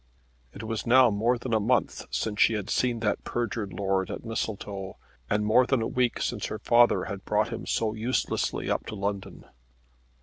It was now more than a month since she had seen that perjured lord at Mistletoe, and more than a week since her father had brought him so uselessly up to London.